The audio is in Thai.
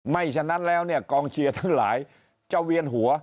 ฉะนั้นแล้วเนี่ยกองเชียร์ทั้งหลายจะเวียนหัว